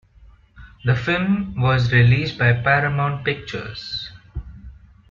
The film was released by Paramount Pictures.